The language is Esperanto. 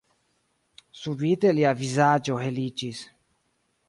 Subite lia vizaĝo heliĝis.